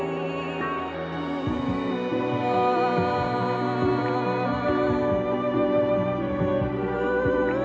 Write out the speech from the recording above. dari yakin ku teguh